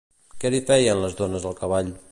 Què li feien les dones al cavall?